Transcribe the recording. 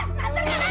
bapak baca bapak kamu